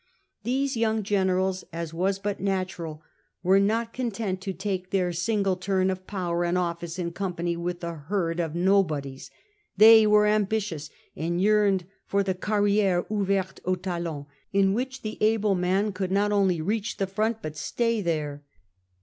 These young generals — as was but natural — were not content to take their single turn of power and office in company with the herd of nobodies. They were ambitions, and yearned for the carriere ouverte aux talents, in which the able man could not only reach the front, but stay there.